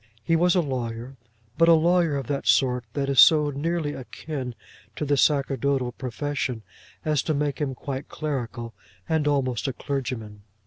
He was a lawyer, but a lawyer of that sort that is so nearly akin to the sacerdotal profession, as to make him quite clerical and almost a clergyman.